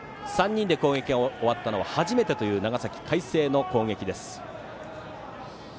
３人で攻撃が終わったのは初めてという長崎・海星の攻撃。